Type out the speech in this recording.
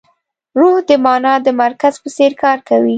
روح د مانا د مرکز په څېر کار کوي.